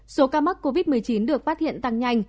số ca mắc covid một mươi chín được phát hiện tăng nhanh